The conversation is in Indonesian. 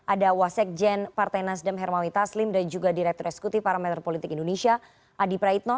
ada wasekjen partai nasdem hermawi taslim dan juga direktur eksekutif parameter politik indonesia adi praitno